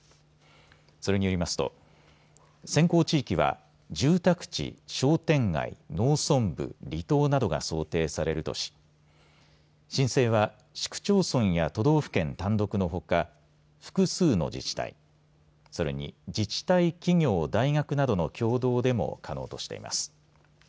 それによりますと先行地域は住宅地、商店街、農村部、離島などが想定されるとし申請は市区町村や都道府県単独のほか複数の自治体、それに自治体、企業、大学などの共同でも可能としています。